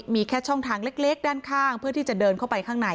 มีแค่ช่องทางเล็กด้านข้างเพื่อที่จะเดินเข้าไปข้างใน